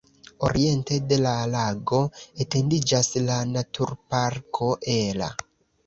Oriente de la lago etendiĝas la naturparko Ela.